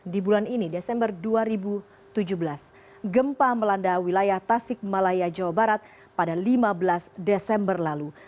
di bulan ini desember dua ribu tujuh belas gempa melanda wilayah tasik malaya jawa barat pada lima belas desember lalu